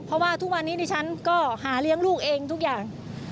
เพราะว่าทุกวันนี้ดิฉันก็หาเลี้ยงลูกเองทุกอย่าง